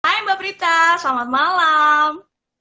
hai mbak prita selamat malam